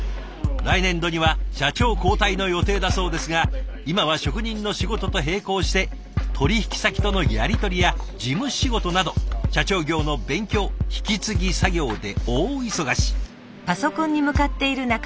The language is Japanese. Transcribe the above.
来年度には社長交代の予定だそうですが今は職人の仕事と並行して取引先とのやり取りや事務仕事など社長業の勉強引き継ぎ作業で大忙し。